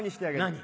何？